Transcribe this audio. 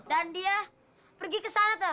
dan dia pergi ke sana tuh